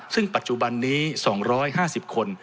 ซึ่งปัจจุบันนี้๒๕๐คน